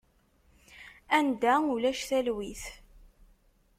Anda ulac talwit.